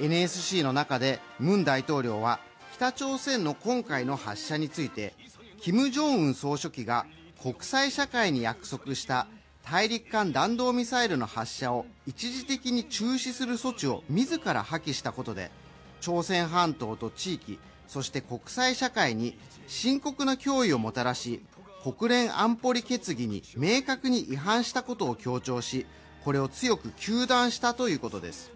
ＮＳＣの中でムン大統領は北朝鮮の今回の発射についてキム・ジョンウン総書記が国際社会に約束した大陸間弾道ミサイルの発射を一時的に中止する措置を自ら破棄したことで、朝鮮半島と地域、そして国際社会に深刻な脅威をもたらし国連安保理決議に明確に違反したことを強調し、これを強く糾弾したということです。